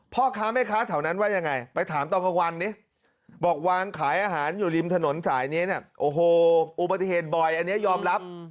พ่อค้าแม่ค้าแถวนั้นว่ายังไงไปถามตอนกลางวันดิบอกวางขายอาหารอยู่ริมถนนสายนี้เนี่ยโอ้โหอุบัติเหตุบ่อยอันนี้ยอมรับ